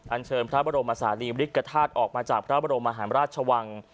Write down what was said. เชิญพระบรมศาลีบริกฐาตุออกมาจากพระบรมมหารราชวัง